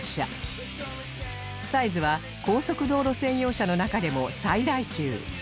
サイズは高速道路専用車の中でも最大級